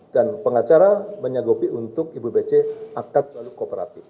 dan pengacara menyanggupi untuk ibu pece akan selalu kooperatif